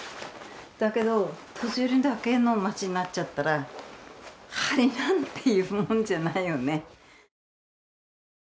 だけど年寄りだけの町になっちゃったらハリなんていうもんじゃないよね。